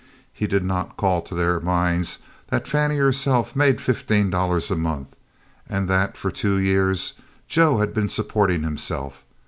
He did not call to their minds that Fannie herself made fifteen dollars a month, and that for two years Joe had been supporting himself.